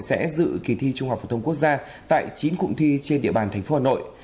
sẽ dự kỳ thi trung học phổ thông quốc gia tại chín cụm thi trên địa bàn thành phố hà nội